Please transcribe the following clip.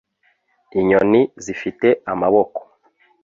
inyoni zifite amaboko